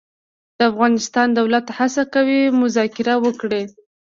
د افغانستان دولت هڅه کوي مذاکره وکړي.